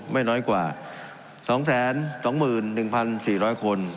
ไม่น้อยกว่า๒๒๑๔๐๐คน